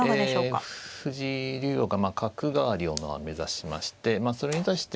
ええ藤井竜王が角換わりを目指しましてそれに対して。